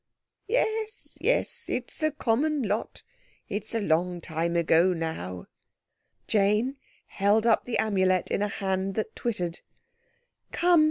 _" "Yes, yes, it's the common lot. It's a long time ago now." Jane held up the Amulet in a hand that twittered. "Come!"